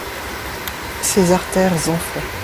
Ses artères enflaient.